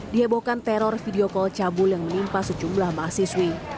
dihebohkan teror video call cabul yang menimpa sejumlah mahasiswi